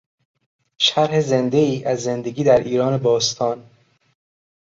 شرح زندهای از زندگی در ایران باستان